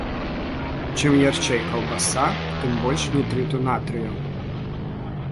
Чым ярчэй каўбаса, тым больш нітрыту натрыю.